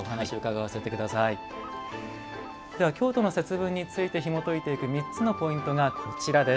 京都の「節分」についてひもといていく３つのポイントです。